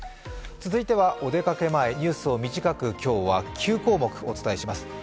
続いてはお出かけ前、ニュースを短く今日は９項目お伝えします。